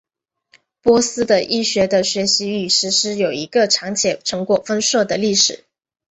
波斯的医学的学习与实施有一个长且成果丰硕的历史。